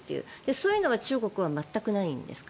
そういうのは中国は全くないんですか？